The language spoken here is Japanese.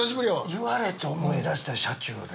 言われて思い出した車中で。